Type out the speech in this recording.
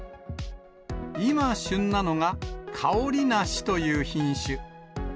今、旬なのが、かおり梨という品種。